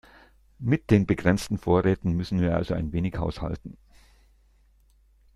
Mit den begrenzten Vorräten müssen wir also ein wenig haushalten.